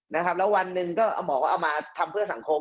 แล้ววันหนึ่งหมอก็เอามาทำเพื่อสังคม